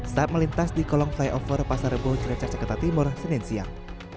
saat melintas di kolong flyover pasar rebo jeraca jakarta timur senin siang